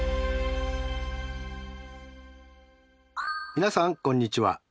皆さんこんにちは。